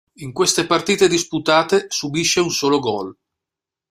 In queste partite disputate subisce un solo gol.